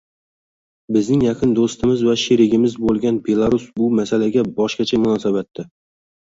Bizning yaqin do'stimiz va sherigimiz bo'lgan Belarus bu masalaga boshqacha munosabatda